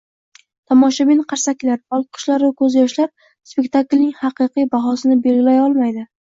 Tomoshabin qarsaklari, olqishlaru ko‘zyoshlar spektaklning haqiqiy bahosini belgilay olmaydi.